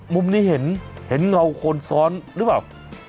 มุมนี้เห็นเห็นเงาขนซ้อนรึเปล่า